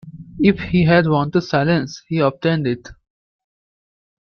If he had wanted silence he obtained it.